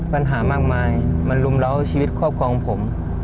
ปัญหามากมายมันรุมเล้าชีวิตครอบครองผม